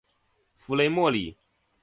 弗雷默里。